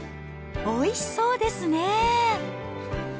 おいしそうですね。